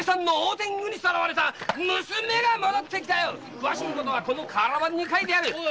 詳しいことはこの瓦版に書いてある！